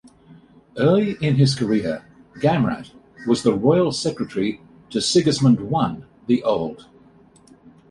Early in his career, Gamrat was the royal secretary to Sigismund I the Old.